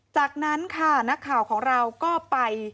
จากนั้นค่ะนักข่าวของเราก็ไป